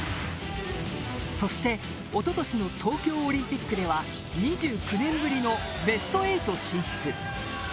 そして一昨年の東京オリンピックでは２９年ぶりのベスト８進出。